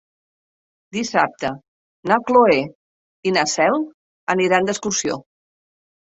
Dissabte na Cloè i na Cel aniran d'excursió.